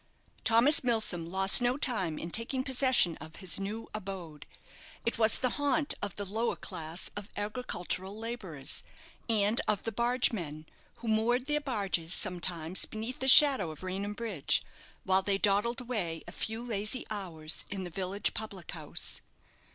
Thomas Milsom lost no time in taking possession of his new abode. It was the haunt of the lower class of agricultural labourers, and of the bargemen, who moored their barges sometimes beneath the shadow of Raynham Bridge, while they dawdled away a few lazy hours in the village public house.